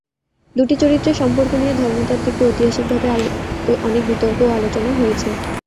দুটি চরিত্রের সম্পর্ক নিয়ে ধর্মতাত্ত্বিক ও ঐতিহাসিকভাবে অনেক বিতর্ক ও আলোচনা হয়েছে।